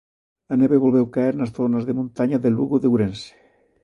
A neve volveu caer nas zonas de montaña de Lugo e de Ourense.